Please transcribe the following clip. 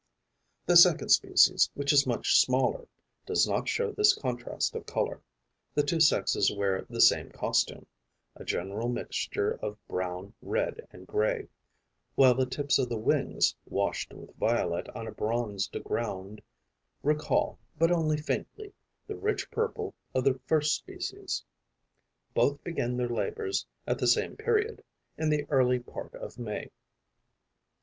The second species, which is much smaller, does not show this contrast of colour: the two sexes wear the same costume, a general mixture of brown, red and grey, while the tips of the wings, washed with violet on a bronzed ground, recall, but only faintly, the rich purple of the first species. Both begin their labours at the same period, in the early part of May.